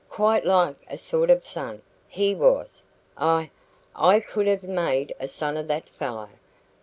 Quite like a sort of son, he was. Aye, I could have made a son of that fellow.